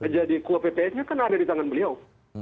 jadi kuappis nya kan ada di tangan beliau